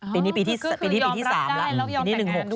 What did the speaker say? ปีนี้ปีที่๓แล้วปีนี้๑๖ใช่ไหมครับ